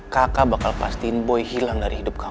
kakak bakal pastiin boy hilang dari rumah